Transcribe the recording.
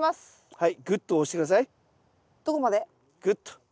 はい。